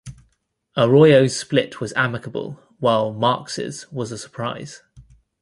Arroyo's split was amicable while Marx's was a surprise.